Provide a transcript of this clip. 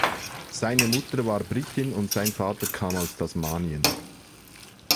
Seine Mutter war Britin und sein Vater kam aus Tasmanien.